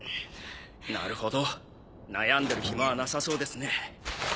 なるほど悩んでる暇はなさそうですね。